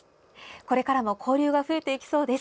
これからも交流が増えそうです。